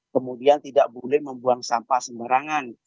kemudian tidak boleh membuang sampah sembarangan